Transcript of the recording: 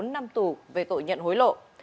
bốn năm tù về tội nhận hối lộ